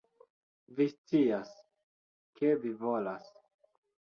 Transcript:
Vi scias, ke vi volas